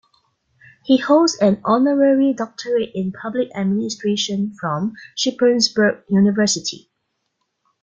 He holds an Honorary Doctorate in Public Administration from Shippensburg University.